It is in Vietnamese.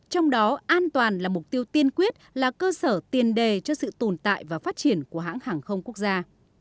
trong đó an toàn là mục tiêu tiên quyết là cơ sở tiền đề cho sự tồn tại và phát triển của hãng hàng không quốc gia